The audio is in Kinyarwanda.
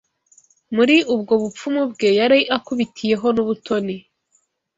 Muri ubwo bupfumu bwe yari akubitiyeho n’ubutoni